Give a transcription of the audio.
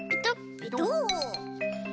ペトッ。